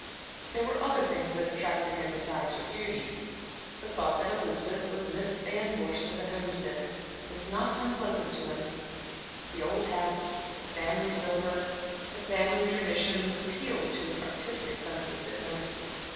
There were other things that attracted him besides her beauty. The thought that Elizabeth was Miss Van Vorst of the Homestead was not unpleasant to him; the old house, the family silver, the family traditions, appealed to his artistic sense of fitness.